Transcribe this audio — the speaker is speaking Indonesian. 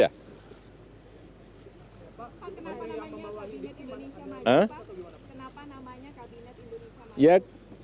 pak kenapa namanya kabinet indonesia maju